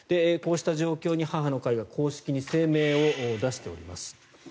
こうした状況に母の会は公式に声明を出しています。